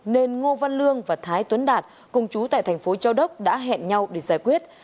nên ngô văn lương và thái tuấn đạt cùng chú tại thành phố châu đốc đã hẹn nhau để giải quyết